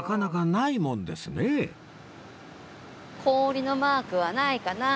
氷のマークはないかな？